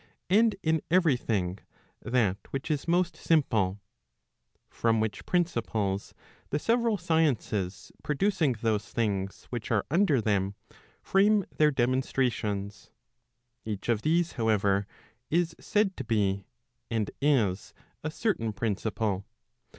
m and in every thing, that which is most simple; from which principles the several sciences producing those things which are under them, frame their demonstrations. Each of these, however, is said to be, and is, a certain principle.